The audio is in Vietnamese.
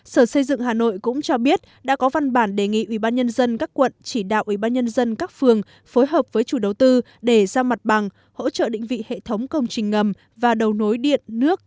sở xây dựng hà nội cũng cho biết đã có văn bản đề nghị ubnd các quận chỉ đạo ubnd các phường phối hợp với chủ đầu tư để ra mặt bằng hỗ trợ định vị hệ thống công trình ngầm và đầu nối điện nước